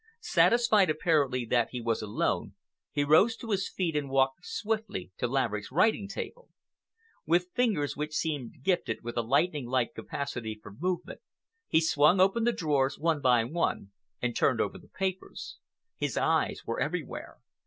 Satisfied apparently that he was alone, he rose to his feet and walked swiftly to Laverick's writing table. With fingers which seemed gifted with a lightning like capacity for movement, he swung open the drawers, one by one, and turned over the papers. His eyes were everywhere.